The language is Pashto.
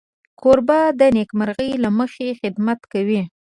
کوربه د نېکمرغۍ له مخې خدمت کوي.